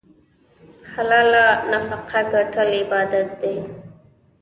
حلاله نفقه ګټل عبادت دی.